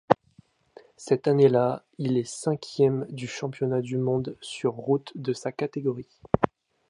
Cette année-là, il est cinquième du championnat du monde sur route de sa catégorie.